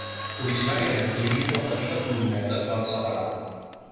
Originàriament hi havia una petita columneta que els separava.